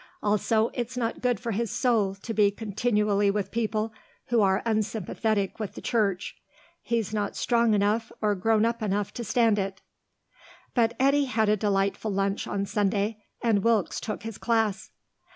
Also, it's not good for his soul to be continually with people who are unsympathetic with the Church. He's not strong enough or grown up enough to stand it." But Eddy had a delightful lunch on Sunday, and Wilkes took his class.